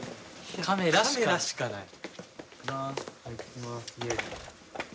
カメラしかない。